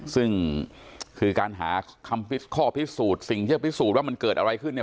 ซึ่งคือการหาคำข้อพิสูจน์สิ่งที่จะพิสูจน์ว่ามันเกิดอะไรขึ้นเนี่ย